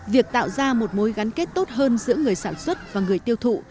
việc tạo ra một mối gắn kết tốt hơn giữa người sản xuất và người tiêu thụ